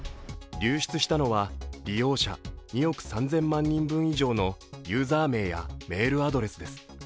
流出したのは、利用者２億３０００万人以上のユーザー名やメールアドレスです。